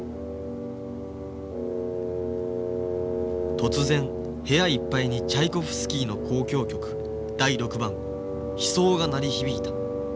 突然部屋いっぱいにチャイコフスキーの「交響曲第６番」「悲愴」が鳴り響いた。